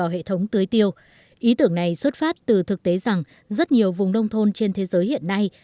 hệ thống này xuất phát từ thực tế rằng rất nhiều vùng nông thôn trên thế giới hiện nay